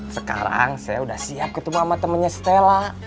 sekarang saya udah siap ketemu sama temennya stella